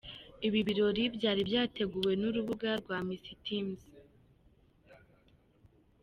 Ibi birori byari byateguwe n’urubuga rwa Missitems.